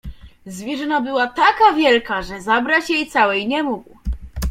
"Zwierzyna była taka wielka, że zabrać jej całej nie mógł!"